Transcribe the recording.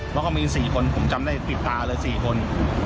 แล้วก็มี๔คนผมจำได้ปิดตาเลย๔คน